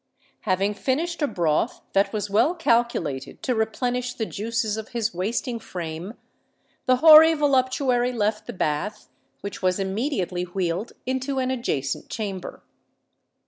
Having finished a broth that was well calculated to replenish the juices of his wasting frame, the hoary voluptuary left the bath, which was immediately wheeled into an adjacent chamber.